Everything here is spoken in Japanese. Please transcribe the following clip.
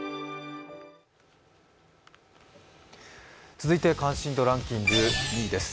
続いて関心度ランキング２位です。